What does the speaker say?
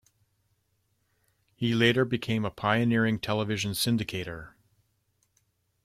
He later became a pioneering television syndicator.